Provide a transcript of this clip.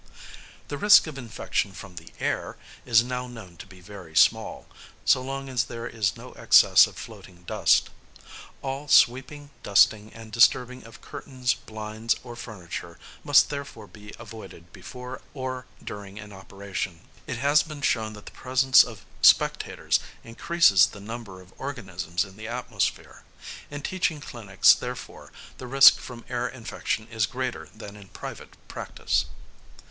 The risk of infection from the air is now known to be very small, so long as there is no excess of floating dust. All sweeping, dusting, and disturbing of curtains, blinds, or furniture must therefore be avoided before or during an operation. It has been shown that the presence of spectators increases the number of organisms in the atmosphere. In teaching clinics, therefore, the risk from air infection is greater than in private practice.